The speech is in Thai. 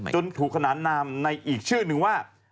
จนถูกขนานนามในอีกชื่อนึงว่า